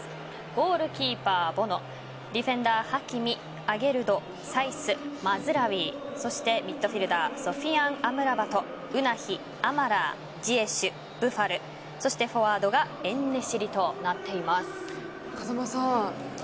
ゴールキーパー・ボノディフェンダー・ハキミアゲルド、サイスマズラウィミッドフィールダーソフィアン・アムラバトウナヒ、アマラージエシュ、ブファルフォワードがエンネシリとなっています。